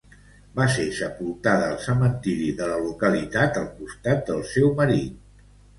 Va ser sepultada al cementiri de la localitat al costat del seu marit.